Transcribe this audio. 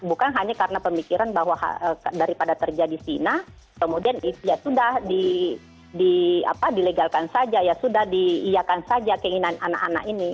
bukan hanya karena pemikiran bahwa daripada terjadi sina kemudian ya sudah dilegalkan saja ya sudah diiyakan saja keinginan anak anak ini